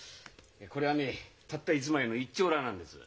こりゃねたった一枚の一張羅なんです。